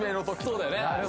そうだよね